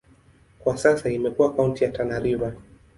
Kwa sasa imekuwa kaunti ya Tana River.